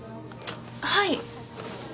はい。